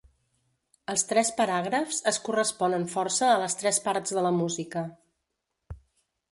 Els tres paràgrafs es corresponen força a les tres parts de la música.